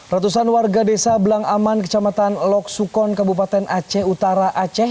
ratusan warga desa belang aman kecamatan lok sukon kabupaten aceh utara aceh